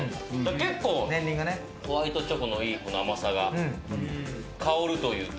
結構、ホワイトチョコの甘さが香るというか。